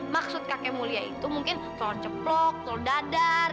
maksud kakek mulya itu mungkin soal ceplok soal dadar